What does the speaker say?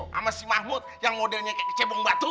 sama si mahmud yang modelnya kayak cebong batu